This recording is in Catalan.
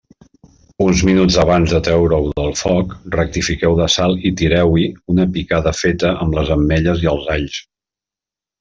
Uns minuts abans de treure-ho del foc, rectifiqueu de sal i tireu-hi una picada feta amb les ametlles i els alls.